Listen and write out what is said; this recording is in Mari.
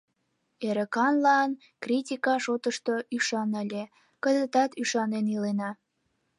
Эрыканлан критика шотышто ӱшан ыле, кызытат ӱшанен илена.